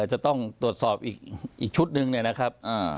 จะต้องตรวจสอบอีกชุดหนึ่งเนี่ยนะครับ